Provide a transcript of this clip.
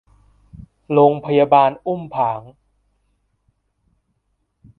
โรงพยาบาลอุ้มผาง